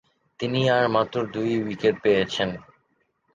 তিনি আর মাত্র দুই উইকেট পেয়েছিলেন।